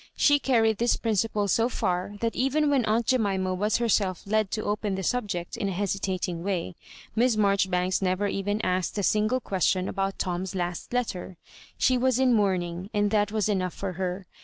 She carried this principle so far, that even when aunt Jemima was herself led to open the subject, in a hesitating way, Miss Marjoribanks never even asked a single question about Tom^s last letter. She was in mourning, and that was enough for her.